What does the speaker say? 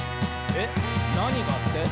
「えっなにが？って？」